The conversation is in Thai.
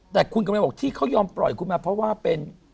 แต่คุณกำลังบอกที่เขายอมปล่อยคุณมาเพราะว่าเป็น